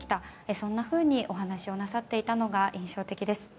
そんなふうにお話をなさっていたのが印象的です。